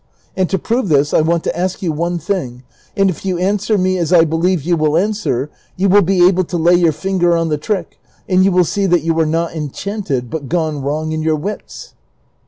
And to prove this I want to ask you one thing ; and if you answer me as I believe you will answer, you will be able to lay your finger on the trick, and you will see that you are not enchanted but gone wrong in your wits."